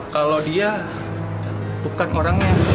kalau dia bukan orangnya